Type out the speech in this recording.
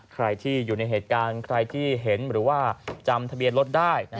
ใครที่อยู่ในเหตุการณ์ใครที่เห็นหรือว่าจำทะเบียนรถได้